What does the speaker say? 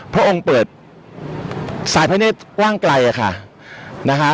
พระองค์เปิดสายพระเนธกว้างไกลค่ะนะคะ